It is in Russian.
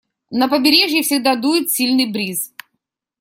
На побережье всегда дует сильный бриз.